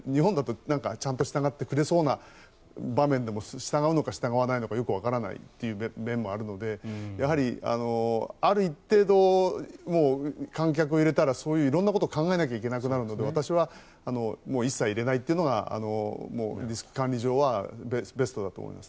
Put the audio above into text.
いわゆる日本だと、ちゃんと従ってくれそうな場面でも従うのか従わないのかちょっとわからないという面もあるのである一定の観客を入れたらそういう色んなことを考えなきゃいけなくなるので私は一切入れないというのがリスク管理上はベストだと思います。